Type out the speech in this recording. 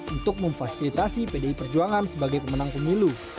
untuk memfasilitasi pdi perjuangan sebagai pemenang pemilu